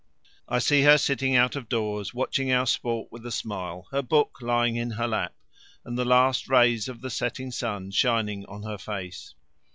I see her sitting out of doors watching our sport with a smile, her book lying in her lap, and the last rays of the setting sun shining on her face.